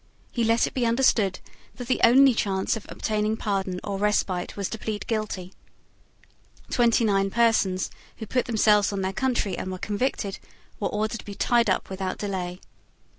He let it be understood that the only chance of obtaining pardon or respite was to plead guilty. Twenty nine persons, who put themselves on their country and were convicted, were ordered to be tied up without delay.